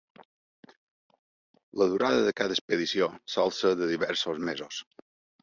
La durada de cada expedició sol ser de diversos mesos.